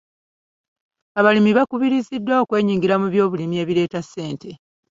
Abalimi bakubiriziddwa okwenyigira mu byobulimi ebireeta ssente.